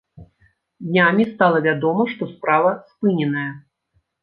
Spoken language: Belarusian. Днямі стала вядома, што справа спыненая.